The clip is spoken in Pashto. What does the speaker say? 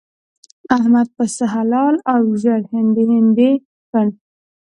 احمد پسه حلال او ژر هنډي هنډي کړ.